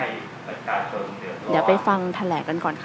เดี๋ยวไปฟังแถลงกันก่อนค่ะ